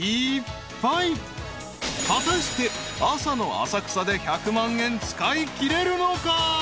［果たして朝の浅草で１００万円使いきれるのか？］